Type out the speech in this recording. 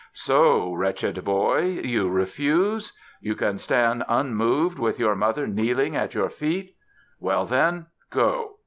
So, wretched boy, you refuse? You can stand unmoved with your mother kneeling at your feet? Well, then, go!